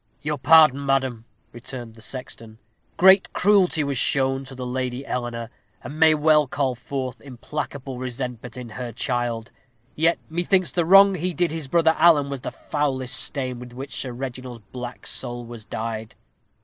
"Your pardon, madam," returned the sexton. "Great cruelty was shown to the Lady Eleanor, and may well call forth implacable resentment in her child; yet methinks the wrong he did his brother Alan was the foulest stain with which Sir Reginald's black soul was dyed."